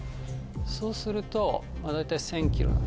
そうすると大体１０００ｋｍ。